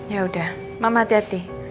yaudah mama hati hati